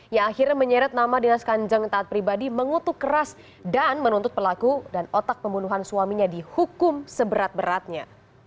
yang akhirnya menyeret nama dinas kanjeng taat pribadi mengutuk keras dan menuntut pelaku dan otak pembunuhan suaminya dihukum seberat beratnya